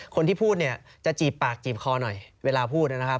คนที่พูดเนี่ยจะจีบปากจีบคอหน่อยเวลาพูดนะครับ